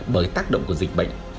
bởi tác động của dịch bệnh